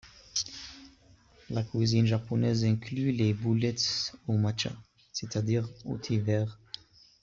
La cuisine japonaise inclut les boulettes au matcha, c'est-à-dire au thé vert.